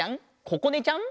ここねちゃん。